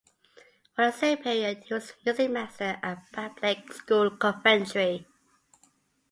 For the same period he was Music Master at Bablake School, Coventry.